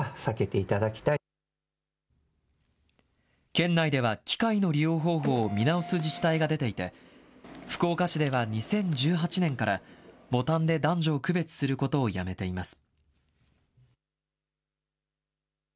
県内では、機械の利用方法を見直す自治体が出ていて、福岡市では２０１８年から、ボタンで男女を区別することをやめています。